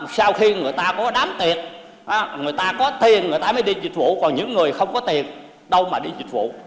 sau khi người ta có đám tiệc người ta có tiền người ta mới đi dịch vụ còn những người không có tiền đâu mà đi dịch vụ